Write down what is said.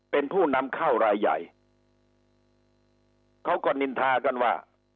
เป็นผู้นำเข้ารายใหญ่เขาก็นินทากันว่า